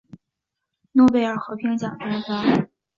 诺贝尔和平奖颁发。